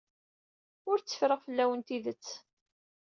Ur tteffreɣ fell-awen tidet.